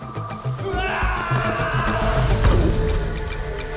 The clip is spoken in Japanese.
うわ！